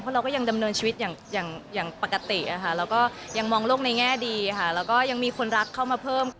เราก็ยังดำเนินชีวิตอย่างปกติเราก็ยังมองโลกในแง่ดีค่ะแล้วก็ยังมีคนรักเข้ามาเพิ่ม